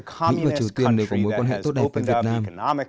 thứ ba mỹ và triều tiên đều có mối quan hệ tốt đẹp với việt nam